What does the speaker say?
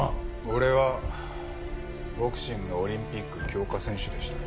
俺はボクシングのオリンピック強化選手でした。